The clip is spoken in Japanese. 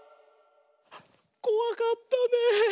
こわかったねえ。